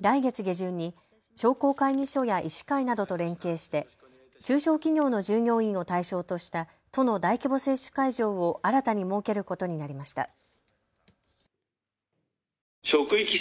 来月下旬に商工会議所や医師会などと連携して中小企業の従業員を対象とした都の大規模接種会場を新たに設けることになりました。